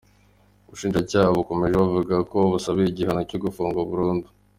Ubushinjacyaha bwakomeje buvuga ko bubasabiye igihano cyo gufungwa burundu.